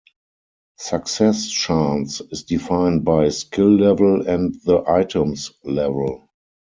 Success chance is defined by skill level and the item's level.